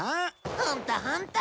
ホントホント。